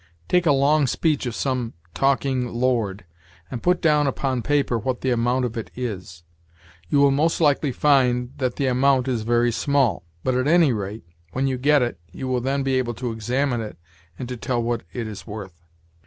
Take a long speech of some talking Lord and put down upon paper what the amount of it is. You will most likely find that the amount is very small; but at any rate, when you get it, you will then be able to examine it and to tell what it is worth.